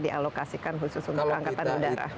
yang sudah dialokasikan khusus untuk angkatan udara